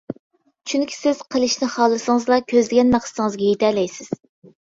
چۈنكى سىز قىلىشنى خالىسىڭىزلا كۆزلىگەن مەقسىتىڭىزگە يېتەلەيسىز.